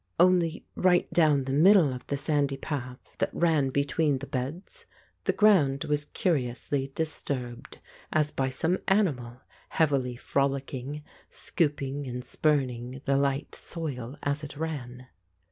Only right down the middle of the sandy path that ran 189 The Ape between the beds, the ground was curiously dis turbed, as by some animal, heavily frolicking, scoop ing and spurning the light soil as it ran.